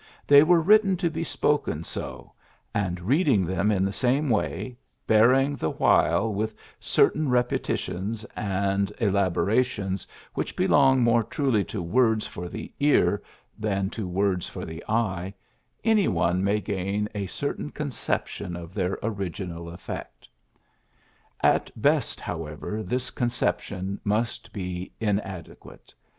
They were written to be spoken so j and reading them in the same way, bearing the while with cer tain repetitions and elaborations which belong more truly to words for the ear than to words for the eye, any one may gain a certain conception of their origi nal effect. PHILLIPS BROOKS 68 At best, liowever, this conception must be inadequate.